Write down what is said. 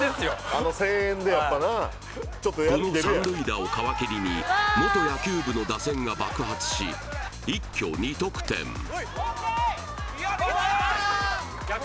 あの声援でやっぱなはいこの３塁打を皮切りに元野球部の打線が爆発し一挙２得点・ＯＫ！